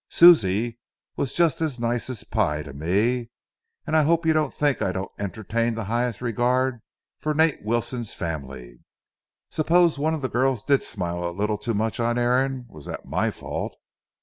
Susie was just as nice as pie to me, and I hope you don't think I don't entertain the highest regard for Nate Wilson's family. Suppose one of the girls did smile a little too much on Aaron, was that my fault?